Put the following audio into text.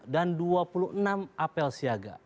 dan dua puluh lima dan dua puluh enam apel siaga